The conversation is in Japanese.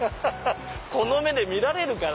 この目で見られるかな。